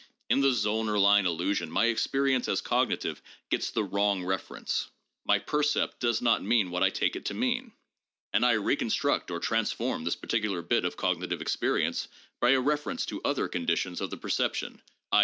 In the Zollner line illusion my experience as cognitive gets the wrong reference. My percept does not mean what I take it to mean. And I reconstruct or transform this particular bit of cognitive experience by a reference to other conditions of the perception, i.